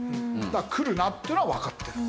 だから来るなっていうのはわかってる。